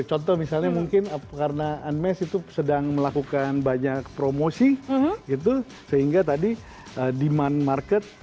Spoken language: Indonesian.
contoh misalnya mungkin karena unmesh itu sedang melakukan banyak promosi gitu sehingga tadi demand market